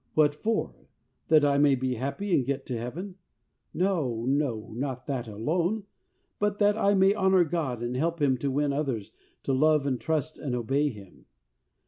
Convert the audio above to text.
What for ? That I may be happy and get to Heaven ? No, no, not that alone, but that I may honour God, and help Him to win others to love and trust and obey Him.